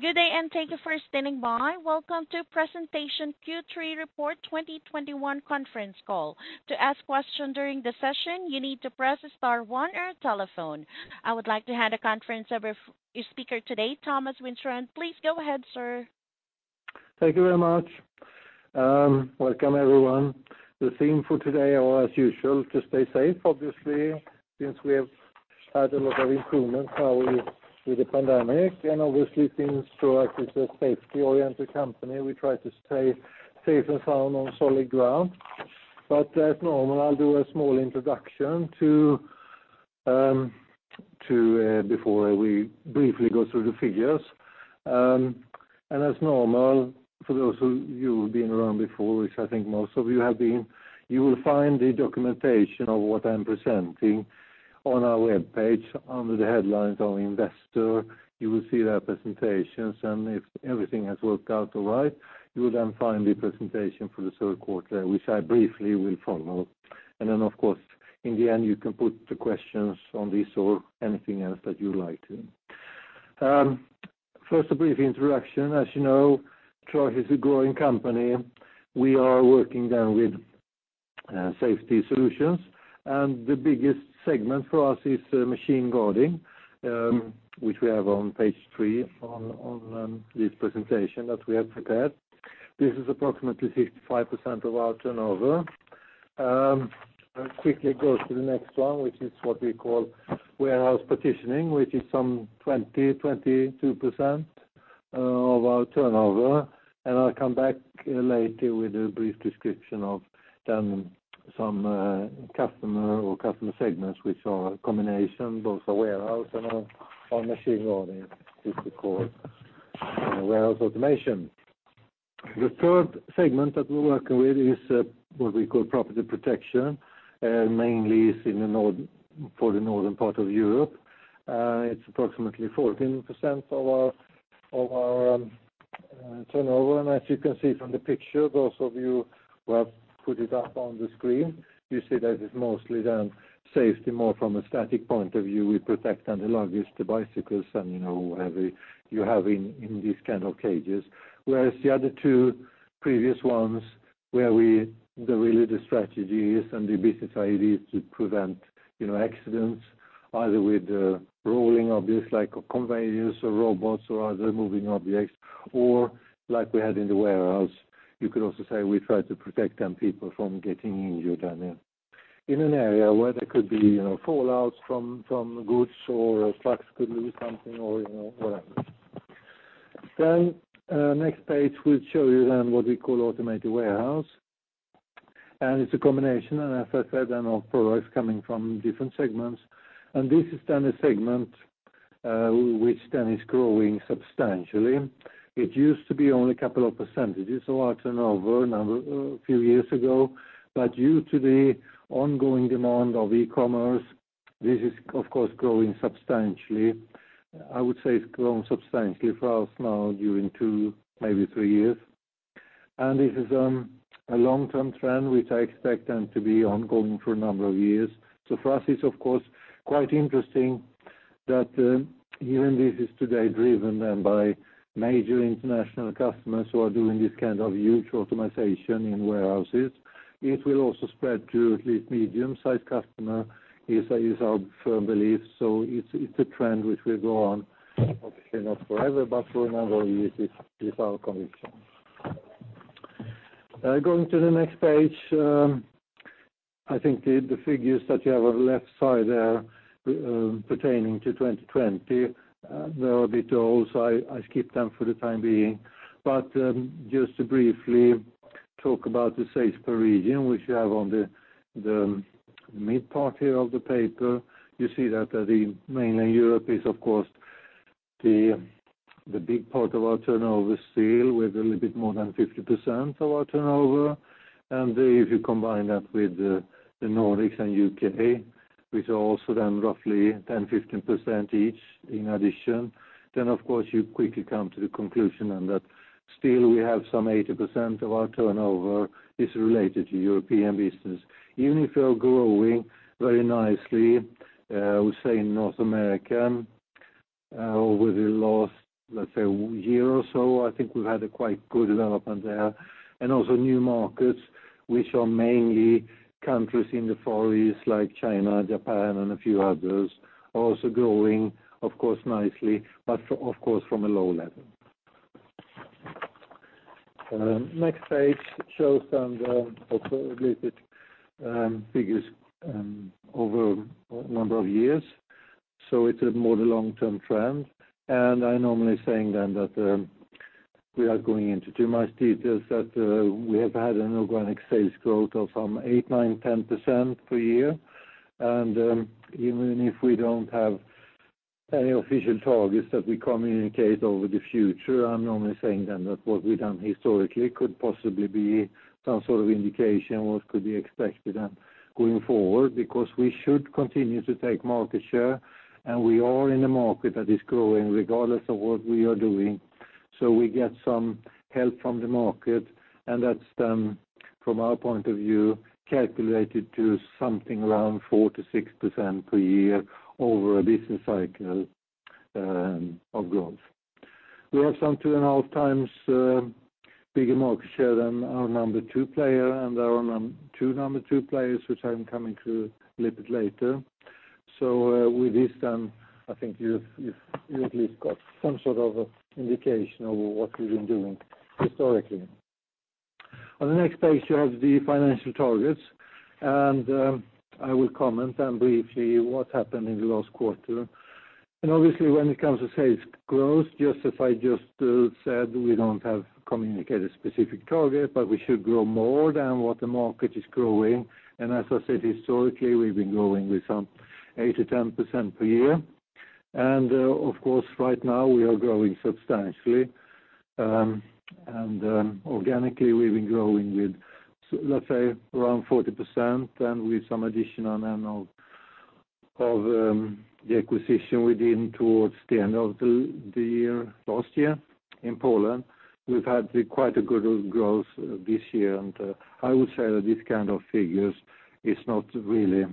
Good day, and thank you for standing by. Welcome to Presentation Q3 Report 2021 Conference Call. To ask question during the session you need to press star one in telephone. I would like to hand the conference over to your speaker today, Thomas Widstrand. Please go ahead, sir. Thank you very much. Welcome, everyone. The theme for today is, as usual, to stay safe, obviously, since we have had a lot of improvements now with the pandemic, and obviously things Troax is a safety-oriented company. We try to stay safe and sound on solid ground. As normal, I'll do a small introduction before we briefly go through the figures. As normal, for those of you who've been around before, which I think most of you have been, you will find the documentation of what I'm presenting on our webpage under the headlines of investor. You will see their presentations, and if everything has worked out all right, you will then find the presentation for the third quarter, which I briefly will follow. Then, of course, in the end, you can put the questions on this or anything else that you would like to. First, a brief introduction. As you know, Troax is a growing company. We are working then with safety solutions, and the biggest segment for us is machine guarding, which we have on page three on this presentation that we have prepared. This is approximately 65% of our turnover. I'll quickly go to the next one, which is what we call warehouse partitioning, which is some 20%-22% of our turnover. I'll come back later with a brief description of then some customer or customer segments, which are a combination, both a warehouse and our machine guarding, which we call warehouse automation. The third segment that we're working with is what we call property protection, mainly is for the northern part of Europe. It's approximately 14% of our turnover. As you can see from the picture, those of you who have put it up on the screen, you see that it's mostly done safety more from a static point of view. We protect then the largest bicycles and whatever you have in these kind of cages. Whereas the other two previous ones where we deliver the strategies and the business idea is to prevent accidents either with the rolling objects like conveyors or robots or other moving objects, or like we had in the warehouse. You could also say we try to protect then people from getting injured in an area where there could be fallouts from goods or trucks could lose something or whatever. Next page will show you then what we call automated warehouse. It's a combination, as I said, of products coming from different segments. This is then a segment which then is growing substantially. It used to be only a couple of percentages of our turnover a few years ago, but due to the ongoing demand of e-commerce, this is of course, growing substantially. I would say it's grown substantially for us now during two, maybe three years. This is a long-term trend, which I expect them to be ongoing for a number of years. For us, it's of course, quite interesting that even this is today driven by major international customers who are doing this kind of huge optimization in warehouses. It will also spread to at least medium-sized customer is our firm belief. It's a trend which will go on, obviously not forever, but for a number of years is our conviction. Going to the next page, I think the figures that you have on the left side are pertaining to 2020. They are a bit old, so I skip them for the time being. Just to briefly talk about the sales per region, which you have on the mid part here of the paper, you see that the Mainland Europe is, of course, the big part of our turnover still with a little bit more than 50% of our turnover. If you combine that with the Nordics and U.K., which are also then roughly 10%-15% each in addition, then of course, you quickly come to the conclusion and that still we have some 80% of our turnover is related to European business. Even if we are growing very nicely, I would say in North America, over the last, let's say, year or so, I think we've had a quite good development there. Also new markets, which are mainly countries in the Far East like China, Japan, and a few others, are also growing, of course, nicely, but of course, from a low level. Next page shows then also a little bit figures over a number of years. It's a more the long-term trend. I normally saying then that, without going into too much details, that we have had an organic sales growth of some 8%, 9%, 10% per year. Even if we don't have any official targets that we communicate over the future, I'm normally saying then that what we've done historically could possibly be some sort of indication what could be expected then going forward, because we should continue to take market share, and we are in a market that is growing regardless of what we are doing. We get some help from the market, and that's, from our point of view, calculated to something around 4%-6% per year over a business cycle of growth. We have some 2.5x bigger market share than our number two player, and there are two number two players, which I'm coming to a little bit later. With this then, I think you've at least got some sort of indication of what we've been doing historically. On the next page, you have the financial targets. I will comment then briefly what happened in the last quarter. Obviously, when it comes to sales growth, just as I just said, we don't have communicated specific target, but we should grow more than what the market is growing. As I said, historically, we've been growing with some 8%-10% per year. Of course, right now, we are growing substantially. Organically, we've been growing with, let's say, around 40%, and with some additional then of the acquisition we did towards the end of the year last year in Poland. We've had quite a good growth this year, and I would say that this kind of figure is not really,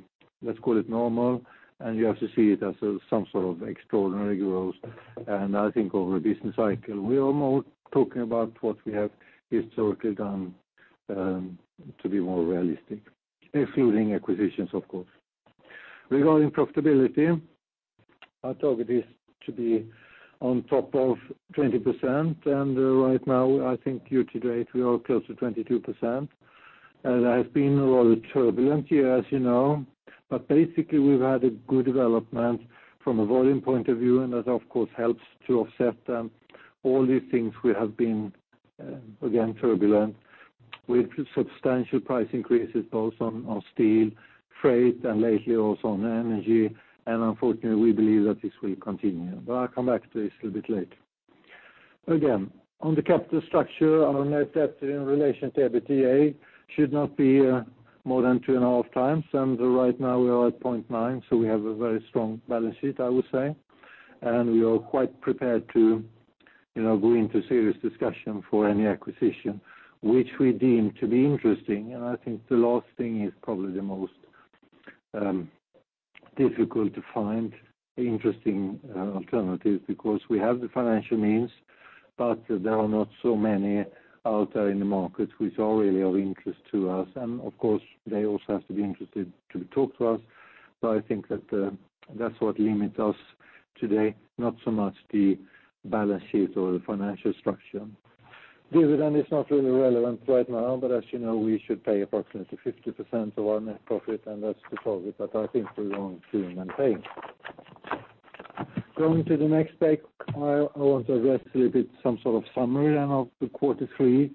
let's call it normal, and you have to see it as some sort of extraordinary growth. I think over a business cycle, we are more talking about what we have historically done to be more realistic, excluding acquisitions, of course. Regarding profitability, our target is to be on top of 20%, and right now, I think year-to-date, we are close to 22%. It has been a rather turbulent year, as you know, but basically, we've had a good development from a volume point of view, and that, of course, helps to offset them. All these things we have been, again, turbulent with substantial price increases, both on steel, freight, and lately also on energy. Unfortunately, we believe that this will continue. I'll come back to this a little bit later. Again, on the capital structure, our net debt in relation to EBITDA should not be more than 2.5x. Right now, we are at 0.9. We have a very strong balance sheet, I would say. We are quite prepared to go into serious discussion for any acquisition, which we deem to be interesting. I think the last thing is probably the most difficult to find interesting alternatives, because we have the financial means, but there are not so many out there in the market which are really of interest to us. Of course, they also have to be interested to talk to us. I think that that's what limits us today, not so much the balance sheet or the financial structure. Dividend is not really relevant right now, as you know, we should pay approximately 50% of our net profit, and that's the target that I think we're going to maintain. Going to the next page, I want to address a little bit some sort of summary then of the quarter three.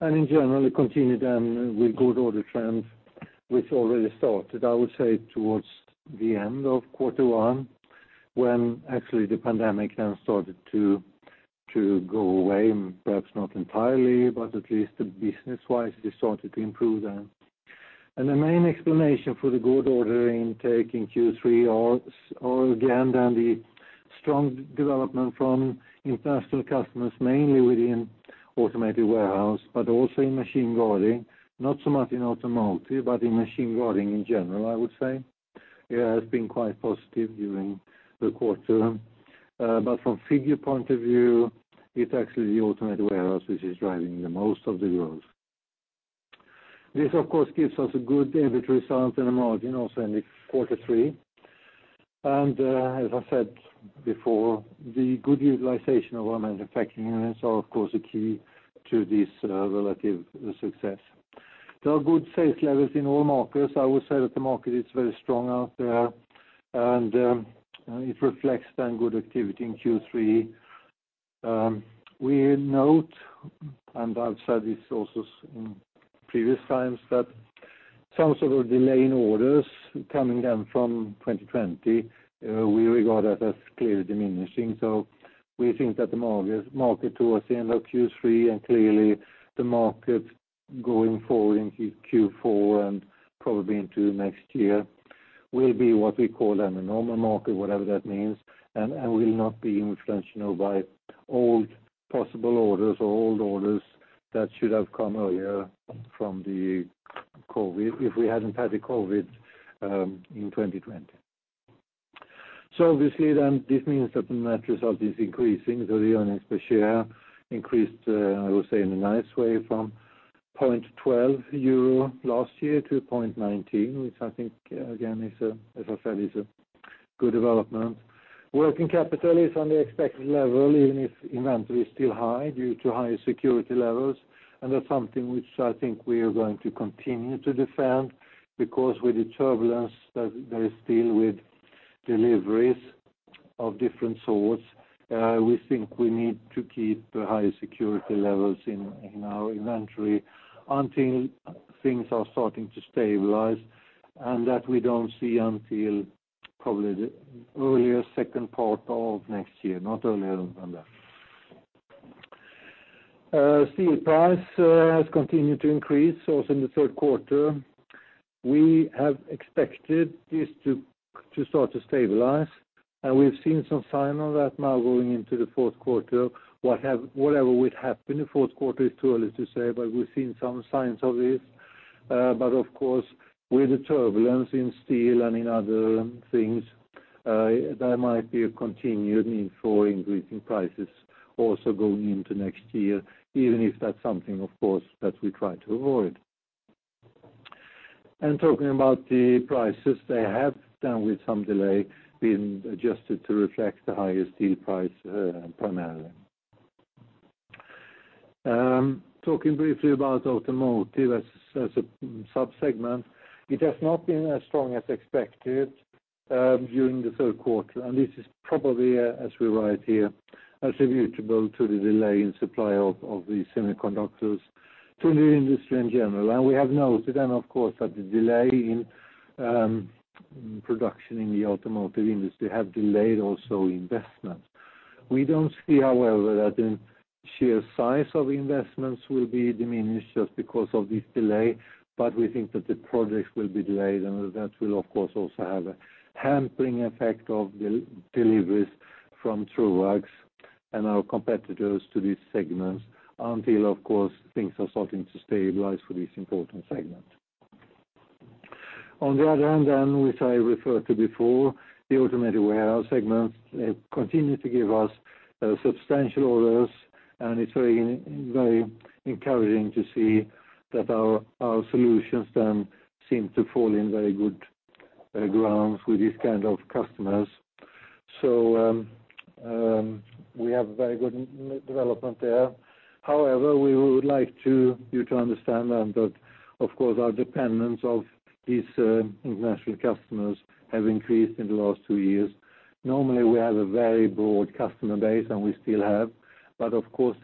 In general, it continued then with good order trends, which already started, I would say, towards the end of quarter one, when actually the pandemic then started to go away, perhaps not entirely, but at least business-wise, it started to improve then. The main explanation for the good ordering take in Q3 are again then the strong development from industrial customers, mainly within automated warehouse, but also in machine guarding, not so much in automotive, but in machine guarding in general, I would say. It has been quite positive during the quarter. From figure point of view, it's actually the automated warehouse which is driving the most of the growth. This, of course, gives us a good inventory result and a margin also in the quarter three. As I said before, the good utilization of our manufacturing units are, of course, a key to this relative success. There are good sales levels in all markets. I would say that the market is very strong out there, and it reflects then good activity in Q3. We note, and I've said this also in previous times, that some sort of delay in orders coming down from 2020, we regard that as clearly diminishing. We think that the market towards the end of Q3 and clearly the market going forward into Q4 and probably into next year will be what we call then a normal market, whatever that means, and will not be influenced by old possible orders or old orders that should have come earlier if we hadn't had the COVID in 2020. Obviously then, this means that the net result is increasing. The earnings per share increased, I would say, in a nice way from 0.12 euro last year to 0.19, which I think, again, as I said, is a good development. Working capital is on the expected level, even if inventory is still high due to higher security levels. That's something which I think we are going to continue to defend, because with the turbulence that is still with deliveries of different sorts, we think we need to keep higher security levels in our inventory until things are starting to stabilize, and that we don't see until probably the earlier 2nd part of next year, not earlier than that. Steel price has continued to increase also in the third quarter. We have expected this to start to stabilize, and we've seen some sign of that now going into the fourth quarter. Whatever would happen in the fourth quarter is too early to say, but we've seen some sign of it. Of course, with the turbulence in steel and in other things, there might be a continued need for increasing prices also going into next year, even if that's something, of course, that we try to avoid. Talking about the prices, they have, with some delay, been adjusted to reflect the higher steel price primarily. Talking briefly about automotive as a sub-segment, it has not been as strong as expected during the third quarter. This is probably, as we write here, attributable to the delay in supply of the semiconductors to the industry in general. We have noted then, of course, that the delay in production in the automotive industry have delayed also investment. We don't see, however, that the sheer size of investments will be diminished just because of this delay, but we think that the projects will be delayed, and that will, of course, also have a hampering effect of deliveries from Troax and our competitors to these segments until, of course, things are starting to stabilize for this important segment. On the other hand, which I referred to before, the automated warehouse segment continued to give us substantial orders, and it's very encouraging to see that our solutions then seem to fall in very good grounds with these kind of customers. We have very good development there. However, we would like you to understand that, of course, our dependence of these international customers have increased in the last two years. Normally, we have a very broad customer base, and we still have. Of course,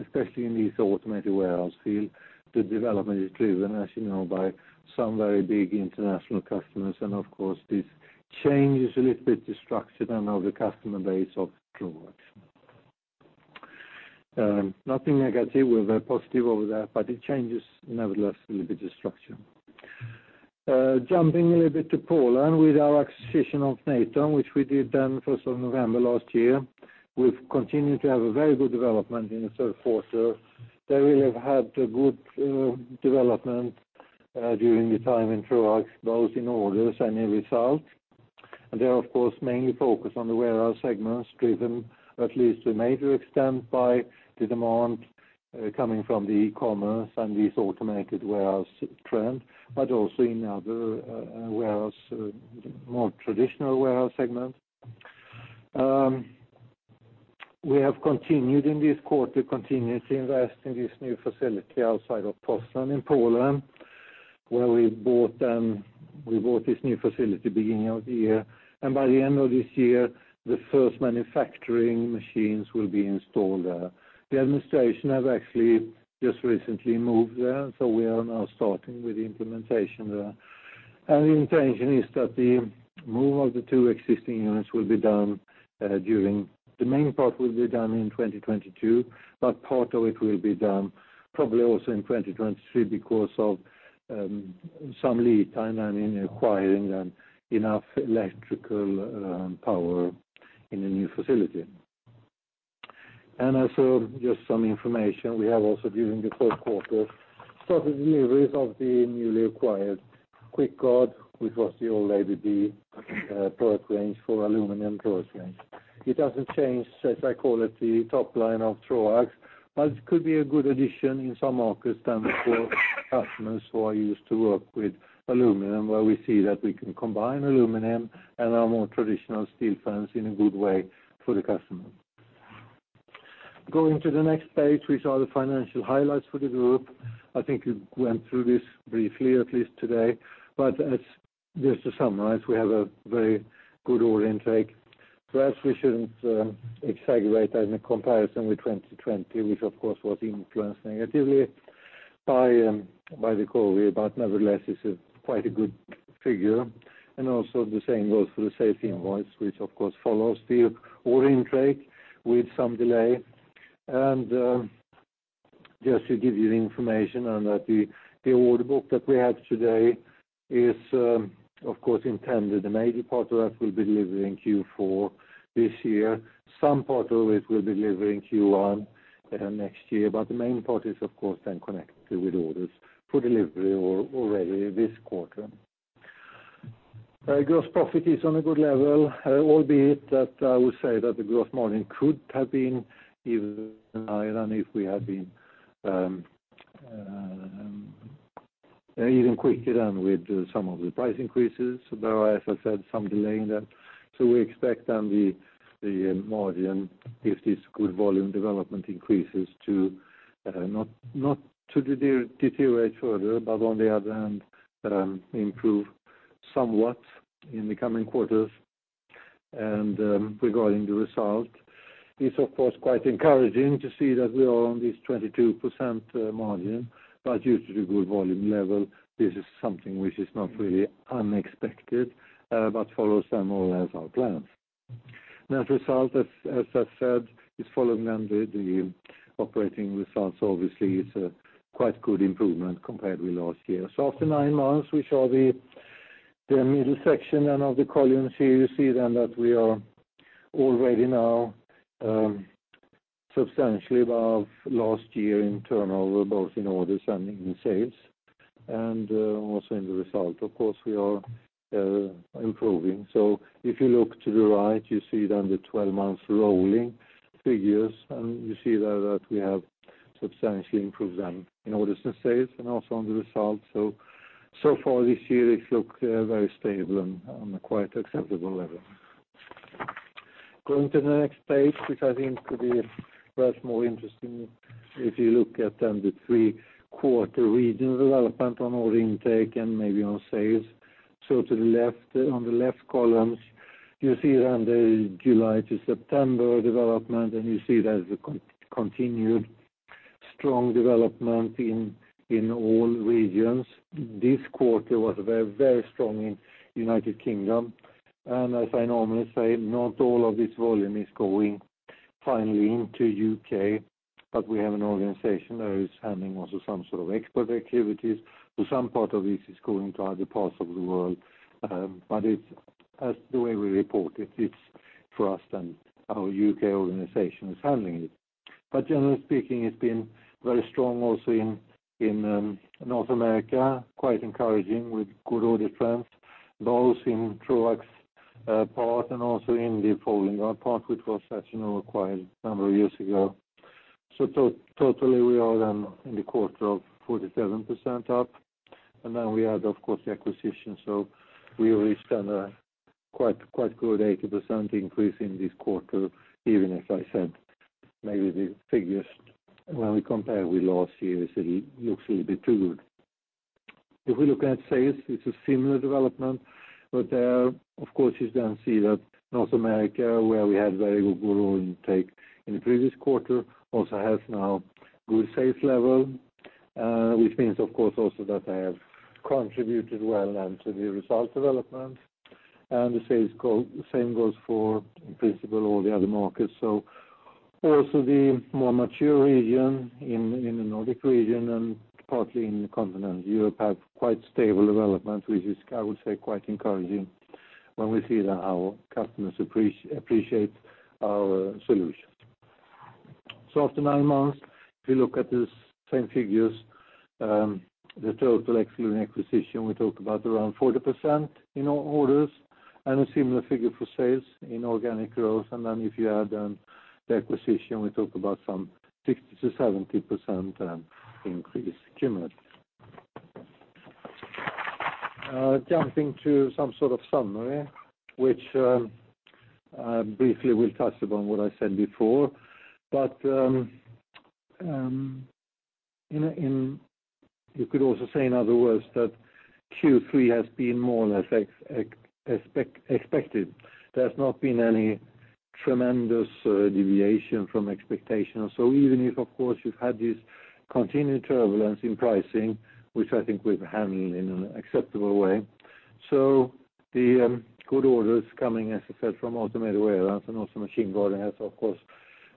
especially in this automated warehouse field, the development is driven, as you know, by some very big international customers. Of course, this changes a little bit the structure of the customer base of Troax. Nothing negative. We're very positive over there, but it changes, nevertheless, a little bit the structure. Jumping a little bit to Poland with our acquisition of Natom, which we did then 1st of November last year. We've continued to have a very good development in the third quarter. They really have had a good development during the time in Troax, both in orders and in result. They are, of course, mainly focused on the warehouse segments, driven at least to a major extent by the demand coming from the e-commerce and this automated warehouse trend, also in other more traditional warehouse segments. We have continued in this quarter continuously investing in this new facility outside of Poznań in Poland, where we bought this new facility beginning of the year. By the end of this year, the first manufacturing machines will be installed there. The administration have actually just recently moved there, we are now starting with the implementation there. The intention is that the move of the two existing units will be done. The main part will be done in 2022, but part of it will be done probably also in 2023 because of some lead time and in acquiring enough electrical power in the new facility. Also, just some information, we have also, during the fourth quarter, started deliveries of the newly acquired QuickGuard, which was the old ABB product range for aluminum product range. It doesn't change, as I call it, the top line of Troax, but it could be a good addition in some markets then for customers who are used to work with aluminum, where we see that we can combine aluminum and our more traditional steel fence in a good way for the customer. Going to the next page, which are the financial highlights for the group. I think we went through this briefly, at least today. Just to summarize, we have a very good order intake. Perhaps we shouldn't exaggerate that in comparison with 2020, which, of course, was influenced negatively by the COVID, but nevertheless, it's quite a good figure. The same goes for the sales invoice, which, of course, follows the order intake with some delay. Just to give you the information on that, the order book that we have today is, of course, intended the major part of that will be delivered in Q4 this year. Some part of it will be delivered in Q1 next year, but the main part is, of course, then connected with orders for delivery already this quarter. Gross profit is on a good level, albeit that I would say that the gross margin could have been even higher than if we had been even quicker with some of the price increases. There are, as I said, some delay in them. We expect then the margin, if this good volume development increases, not to deteriorate further, but on the other hand, improve somewhat in the coming quarters. Regarding the result, it's of course, quite encouraging to see that we are on this 22% margin, but due to the good volume level, this is something which is not really unexpected, but follows then more or less our plans. As a result, as I've said, it's following then the operating results, obviously, it's a quite good improvement compared with last year. After nine months, we show the middle section of the columns here, you see then that we are already now substantially above last year in turnover, both in orders and in sales. Also in the result, of course, we are improving. If you look to the right, you see then the 12 months rolling figures, and you see there that we have substantially improved them in orders and sales and also on the results. Far this year, it look very stable and on a quite acceptable level. Going to the next page, which I think could be perhaps more interesting if you look at then the three quarter regional development on order intake and maybe on sales. To the left, on the left columns, you see then the July to September development, and you see there the continued strong development in all regions. This quarter was very strong in United Kingdom. As I normally say, not all of this volume is going finally into U.K., but we have an organization there who's handling also some sort of export activities. Some part of this is going to other parts of the world, but as the way we report it's for us then our U.K. organization is handling it. Generally speaking, it's been very strong also in North America, quite encouraging with good order trends, both in Troax part and also in the Folding Guard part, which was, as you know, acquired a number of years ago. Totally, we are then in the quarter of 47% up, and then we add, of course, the acquisition. We reached then a quite good 80% increase in this quarter. Even as I said, maybe the figures, when we compare with last year, it looks a little bit too good. If we look at sales, it's a similar development, but there, of course, you then see that North America, where we had very good order intake in the previous quarter, also has now good sales level, which means, of course, also that they have contributed well then to the result development. The same goes for, in principle, all the other markets. Also the more mature region in the Nordic region and partly in the continental Europe have quite stable development, which is, I would say, quite encouraging when we see then how customers appreciate our solutions. After nine months, if you look at the same figures, the total excluding acquisition, we talked about around 40% in orders and a similar figure for sales in organic growth. If you add then the acquisition, we talk about some 60%-70% increase cumulative. Jumping to some sort of summary, which briefly we'll touch upon what I said before. You could also say in other words, that Q3 has been more or less expected. There's not been any tremendous deviation from expectations. Even if, of course, you've had this continued turbulence in pricing, which I think we've handled in an acceptable way. The good orders coming, as I said, from automated warehouses and also machine guarding has, of course,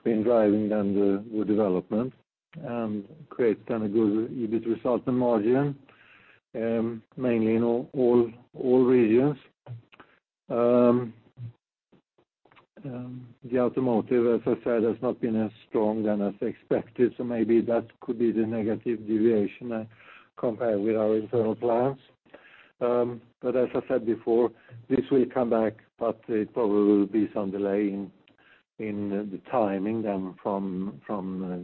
been driving then the good development and creates then a good EBIT result and margin, mainly in all regions. The automotive, as I said, has not been as strong then as expected, so maybe that could be the negative deviation compared with our internal plans. As I said before, this will come back, but it probably will be some delay in the timing then from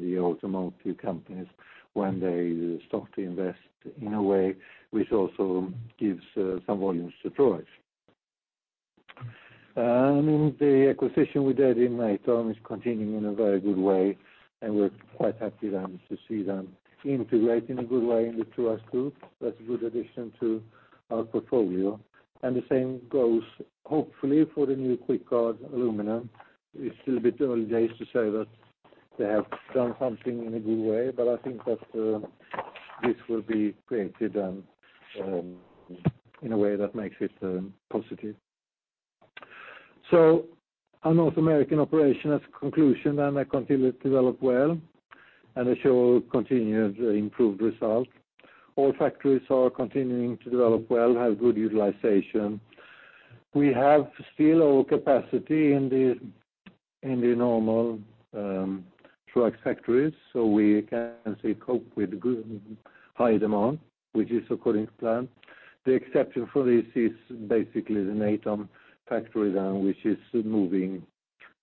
the automotive companies when they start to invest in a way which also gives some volumes to Troax. The acquisition we did in Natom is continuing in a very good way, and we're quite happy then to see them integrate in a good way in the Troax Group. That's a good addition to our portfolio. The same goes, hopefully, for the new QuickGuard Aluminum. It's a little bit early days to say that they have done something in a good way, but I think that this will be created in a way that makes it positive. Our North American operation, as a conclusion then, they continue to develop well and they show continued improved result. All factories are continuing to develop well, have good utilization. We have still our capacity in the normal Troax factories, we can cope with high demand, which is according to plan. The exception for this is basically the Natom factory then, which is moving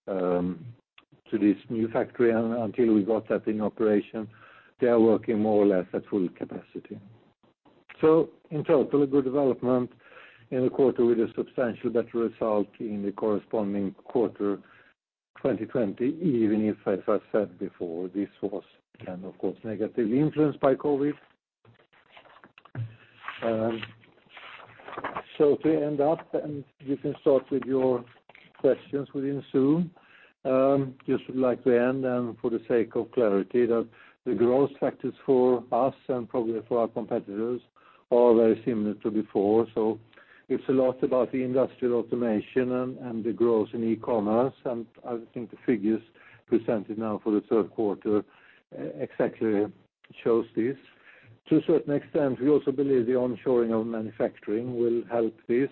to this new factory. Until we got that in operation, they are working more or less at full capacity. In total, a good development in the quarter with a substantially better result in the corresponding quarter 2020, even if, as I said before, this was then, of course, negatively influenced by COVID. To end up, and you can start with your questions within Zoom, just would like to end, and for the sake of clarity, that the growth factors for us, and probably for our competitors, are very similar to before. It's a lot about the industrial automation and the growth in e-commerce, and I think the figures presented now for the third quarter exactly shows this. To a certain extent, we also believe the on-shoring of manufacturing will help this.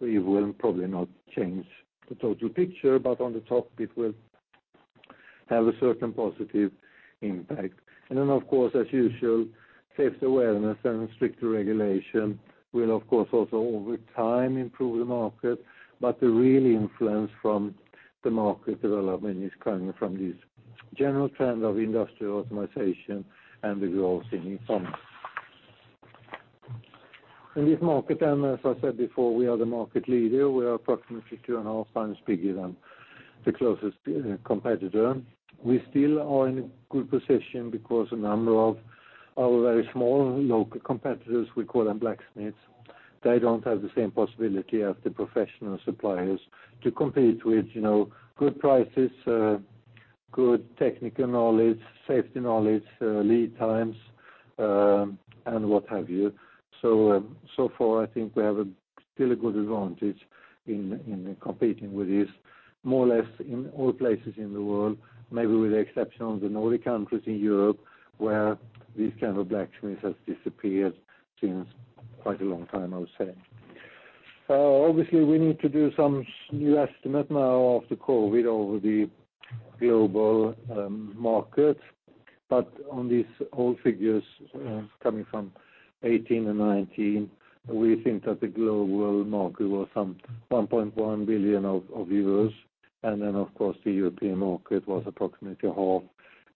We will probably not change the total picture, but on the top, it will have a certain positive impact. As usual, safety awareness and stricter regulation will, of course, also over time improve the market, but the real influence from the market development is coming from this general trend of industrial optimization and the growth in e-commerce. In this market, and as I said before, we are the market leader. We are approximately two and a half times bigger than the closest competitor. We still are in a good position because a number of our very small local competitors, we call them blacksmiths, they don't have the same possibility as the professional suppliers to compete with good prices, good technical knowledge, safety knowledge, lead times, and what have you. So far, I think we have still a good advantage in competing with this, more or less in all places in the world, maybe with the exception of the northern countries in Europe, where these kind of blacksmiths has disappeared since quite a long time, I would say. Obviously, we need to do some new estimate now after COVID over the global market. On these old figures coming from 2018 and 2019, we think that the global market was some 1.1 billion. Then, of course, the European market was approximately half,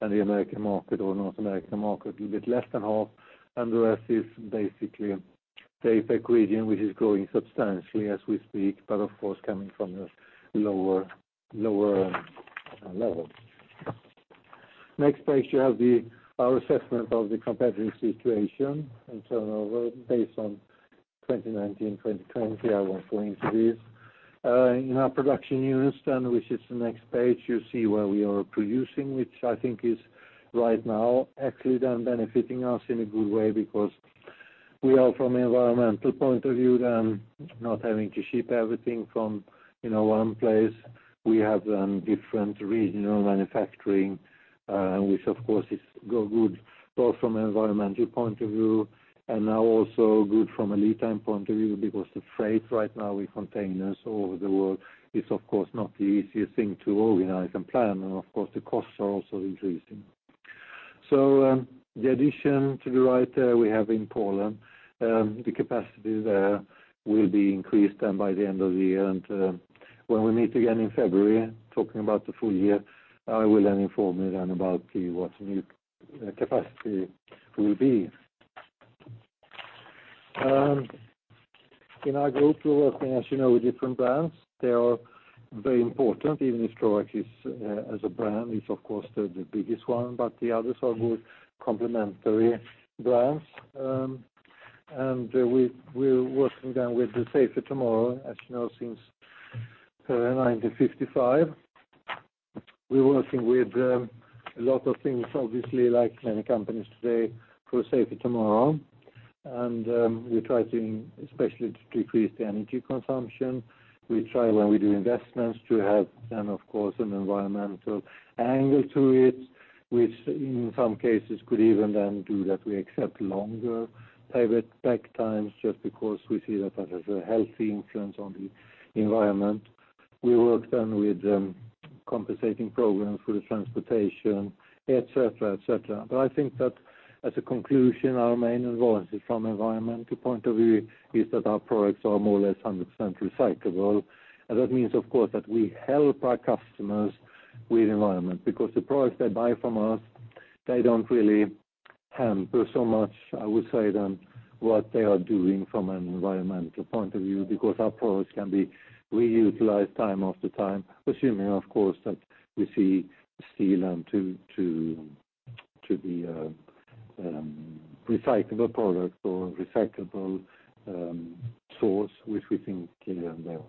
and the American market or North American market, a bit less than half. The rest is basically the APAC region, which is growing substantially as we speak, but of course, coming from a lower level. Next page, you have our assessment of the competitive situation and turnover based on 2019, 2020. I won't go into this. In our production units then, which is the next page, you see where we are producing, which I think is right now actually then benefiting us in a good way because we are, from an environmental point of view then, not having to ship everything from one place. We have different regional manufacturing, which of course is good both from an environmental point of view and now also good from a lead time point of view because the freight right now with containers all over the world is of course not the easiest thing to organize and plan. Of course, the costs are also increasing. The addition to the right we have in Poland, the capacity there will be increased by the end of the year. When we meet again in February, talking about the full year, I will then inform you then about what the new capacity will be. In our group, we're working, as you know, with different brands. They are very important, even if Troax as a brand is of course the biggest one, but the others are good complementary brands. We're working then with the Safer Tomorrow, as you know, since 1955. We're working with a lot of things, obviously, like many companies today, for a Safer Tomorrow. We try to especially decrease the energy consumption. We try when we do investments to have then, of course, an environmental angle to it, which in some cases could even then do that we accept longer payback times just because we see that that has a healthy influence on the environment. We work then with compensating programs for the transportation, et cetera. I think that as a conclusion, our main advantage from environmental point of view is that our products are more or less 100% recyclable. That means, of course, that we help our customers with environment because the products they buy from us, they don't really hamper so much, I would say, than what they are doing from an environmental point of view because our products can be reutilized time after time, assuming, of course, that we see steel to be a recyclable product or recyclable source, which we think they are now.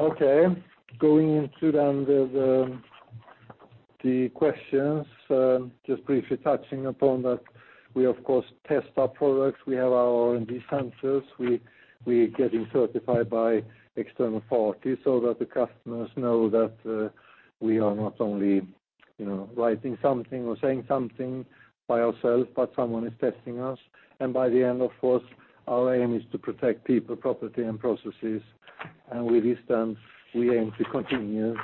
Okay. Going into then the questions, just briefly touching upon that we, of course, test our products. We have our R&D centers. We're getting certified by external parties so that the customers know that we are not only writing something or saying something by ourselves, but someone is testing us. By the end, of course, our aim is to protect people, property, and processes. With this then, we aim to continue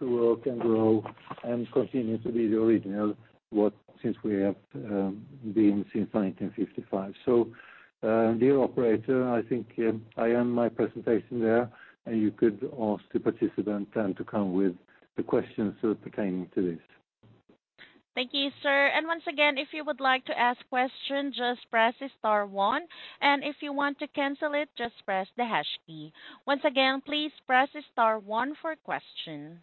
to work and grow and continue to be the original since we have been since 1955. Dear operator, I think I end my presentation there, and you could ask the participant then to come with the questions pertaining to this. Thank you, sir. Once again, if you would like to ask questions, just press star one. If you want to cancel it, just press the hash key. Once again, please press star one for questions.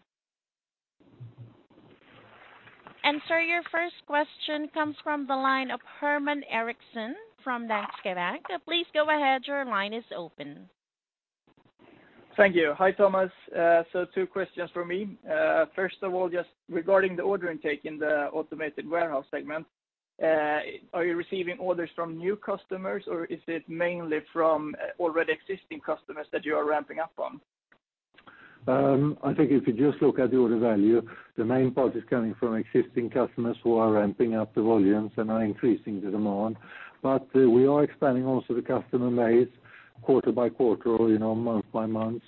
Sir, your first question comes from the line of Herman Eriksson from Danske Bank. Please go ahead. Your line is open. Thank you. Hi, Thomas. Two questions from me. First of all, just regarding the order intake in the automated warehouse segment, are you receiving orders from new customers or is it mainly from already existing customers that you are ramping up on? I think if you just look at the order value, the main part is coming from existing customers who are ramping up the volumes and are increasing the demand. We are expanding also the customer base quarter-by-quarter or month-by-month.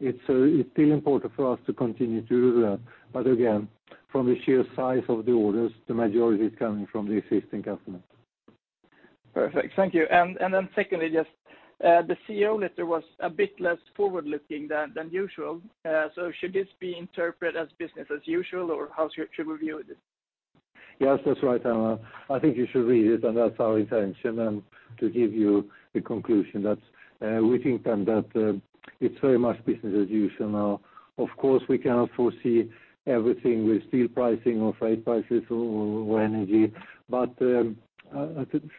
It's still important for us to continue to do that. Again, from the sheer size of the orders, the majority is coming from the existing customers. Perfect. Thank you. Secondly, just the CEO letter was a bit less forward-looking than usual. Should this be interpreted as business as usual, or how should we view this? Yes, that's right. I think you should read it, and that's our intention, and to give you the conclusion that we think then that it's very much business as usual now. Of course, we cannot foresee everything with steel pricing or freight prices or energy.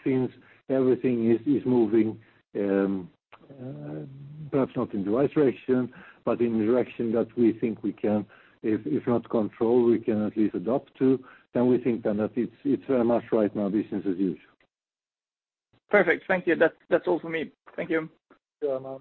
Since everything is moving, perhaps not in the right direction, but in the direction that we think we can, if not control, we can at least adapt to, then we think then that it's very much right now business as usual. Perfect. Thank you. That's all from me. Thank you. Sure.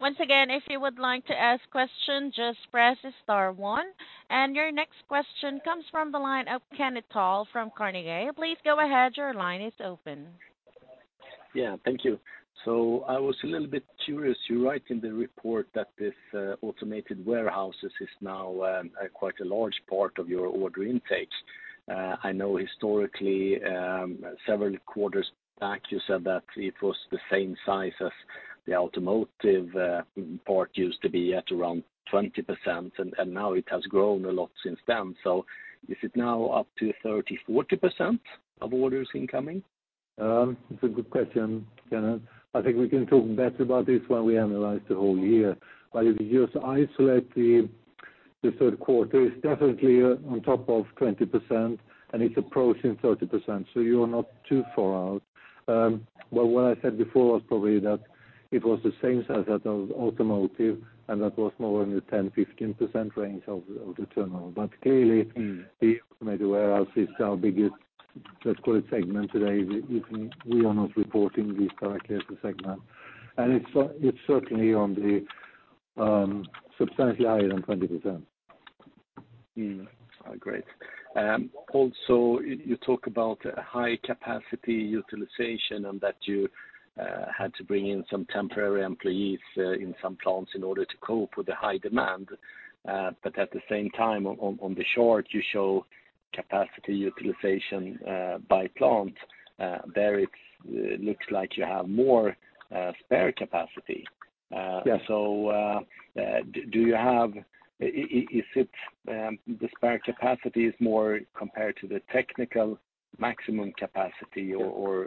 Once again, if you would like to ask questions, just press star one. Your next question comes from the line of Kenneth Toll from Carnegie. Please go ahead, your line is open. Yeah, thank you. I was a little bit curious. You write in the report that this automated warehouses is now quite a large part of your order intakes. I know historically, several quarters back, you said that it was the same size as the automotive part used to be at around 20%, and now it has grown a lot since then. Is it now up to 30%-40% of orders incoming? It's a good question, Kenneth. I think we can talk better about this when we analyze the whole year. If you just isolate the third quarter, it's definitely on top of 20% and it's approaching 30%. You are not too far out. What I said before was probably that it was the same size as that of automotive, and that was more in the 10%-15% range of the turnover. The automated warehouse is our biggest, let's call it segment today, even we are not reporting this directly as a segment. It's certainly substantially higher than 20%. Great. You talk about high capacity utilization and that you had to bring in some temporary employees in some plants in order to cope with the high demand. At the same time, on the short, you show capacity utilization by plant. There it looks like you have more spare capacity. Yeah. Is it the spare capacity is more compared to the technical maximum capacity? Yeah. Or.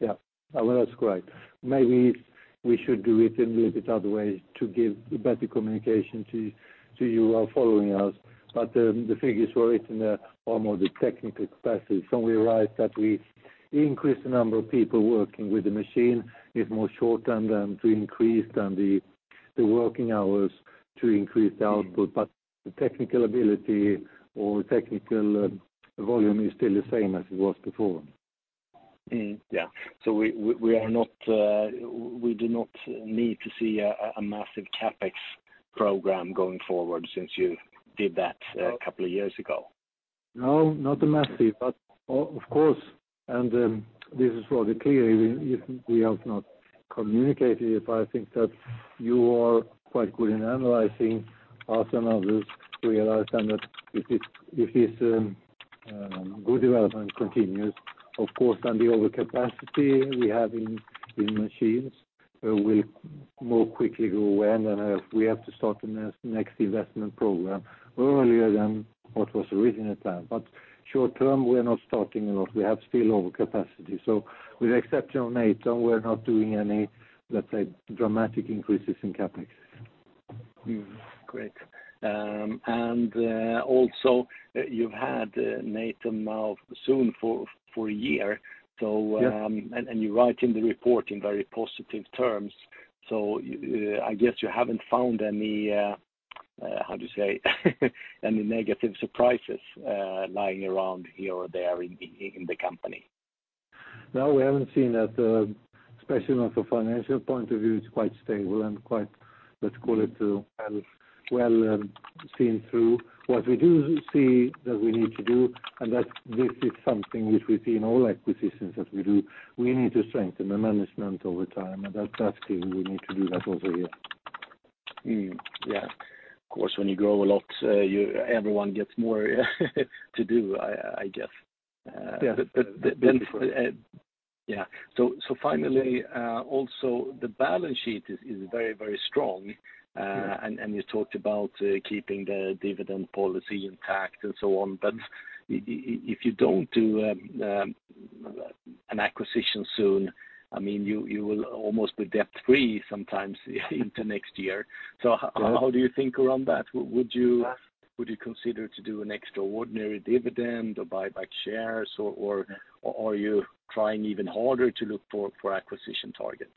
Yeah. Well, that's correct. Maybe we should do it in a little bit other way to give better communication to you who are following us. The figures were written there are more the technical capacity. We write that we increase the number of people working with the machine is more short-term than to increase than the working hours to increase the output. The technical ability or technical volume is still the same as it was before. Yeah. We do not need to see a massive CapEx program going forward since you did that a couple of years ago. No, not massive, but of course, this is rather clear, if we have not communicated it, but I think that you are quite good in analyzing us, and others realize then that if this good development continues, of course, then the overcapacity we have in machines will more quickly go away. We have to start the next investment program earlier than what was the original plan. Short-term, we are not starting a lot. We have still overcapacity. With the exception of Natom, we are not doing any, let's say, dramatic increases in CapEx. Great. Also, you have had Natom now soon for year. Yeah. You write in the report in very positive terms. I guess you haven't found any, how to say, any negative surprises lying around here or there in the company. No, we haven't seen that. Especially not from financial point of view, it's quite stable and quite, let's call it, well seen through. What we do see that we need to do, and that this is something which we see in all acquisitions that we do, we need to strengthen the management over time, and that's clear we need to do that over here. Yeah. Of course, when you grow a lot, everyone gets more to do, I guess. Yeah. Finally, also the balance sheet is very strong. Yeah. You talked about keeping the dividend policy intact and so on. If you don't do an acquisition soon, you will almost be debt-free sometimes into next year. Yeah. How do you think around that? Would you consider to do an extraordinary dividend or buy back shares, or are you trying even harder to look for acquisition targets?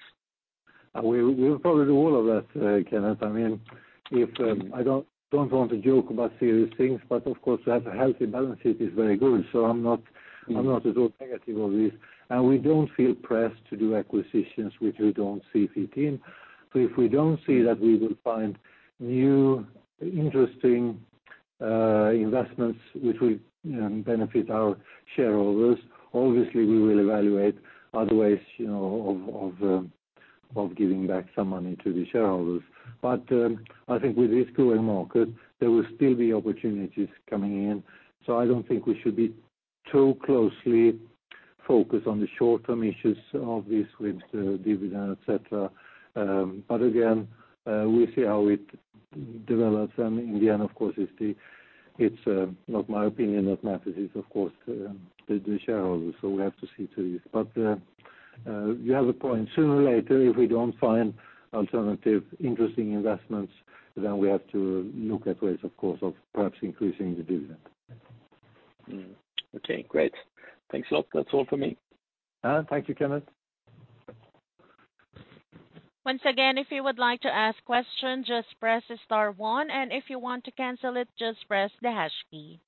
We will probably do all of that, Kenneth. I don't want to joke about serious things, of course, to have a healthy balance sheet is very good. I'm not at all negative of this, and we don't feel pressed to do acquisitions which we don't see fit in. If we don't see that we will find new interesting investments which will benefit our shareholders, obviously, we will evaluate other ways of giving back some money to the shareholders. I think with this growing market, there will still be opportunities coming in. I don't think we should be too closely focused on the short-term issues of this with the dividend, et cetera. Again, we'll see how it develops. In the end, of course, it's not my opinion that matters, it's of course the shareholders. We have to see to this. You have a point. Sooner or later, if we don't find alternative interesting investments, we have to look at ways, of course, of perhaps increasing the dividend. Okay, great. Thanks a lot. That's all for me. Thank you, Kenneth. Once again, if you would like to ask questions, just press star one, and if you want to cancel it, just press the hash key.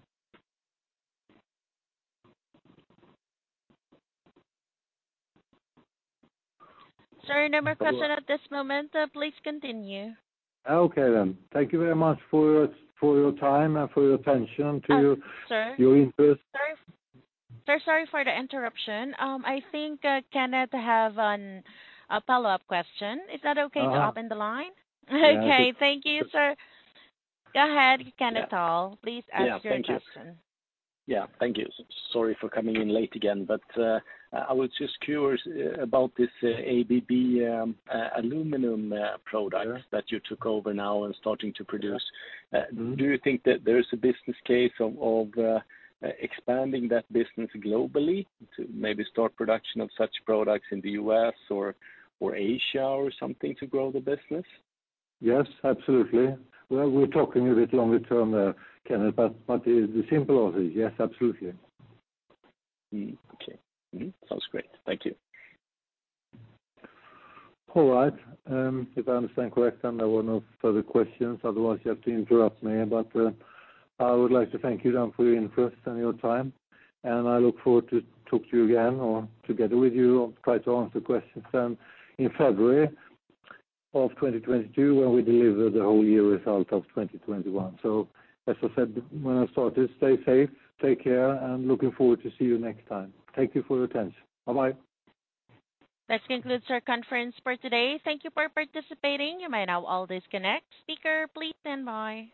Sir, no more question at this moment. Please continue. Okay, then. Thank you very much for your time and for your attention to your interest. Sir, sorry for the interruption. I think Kenneth have a follow-up question. Is that okay to open the line? Okay, thank you, sir. Go ahead, Kenneth Toll. Please ask your question. Yeah, thank you. Sorry for coming in late again, but I was just curious about this ABB aluminum product that you took over now and starting to produce. Do you think that there is a business case of expanding that business globally to maybe start production of such products in the U.S. or Asia or something to grow the business? Yes, absolutely. We're talking a bit longer term, Kenneth, but the simple answer is yes, absolutely. Okay. Sounds great. Thank you. All right. If I understand correct, then there were no further questions. Otherwise, you have to interrupt me. I would like to thank you then for your interest and your time, and I look forward to talk to you again or together with you or try to answer questions then in February of 2022, when we deliver the whole year result of 2021. As I said when I started, stay safe, take care, and looking forward to see you next time. Thank you for your attention. Bye-bye. This concludes our conference for today. Thank you for participating. You may now all disconnect. Speaker, please stand by.